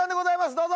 どうぞ。